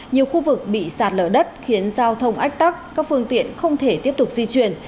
nhiều khu vực bị sạt lở đất khiến giao thông ách tắc các phương tiện không thể tiếp tục di chuyển